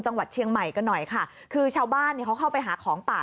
จังหวัดเชียงใหม่กันหน่อยค่ะคือชาวบ้านเนี่ยเขาเข้าไปหาของป่า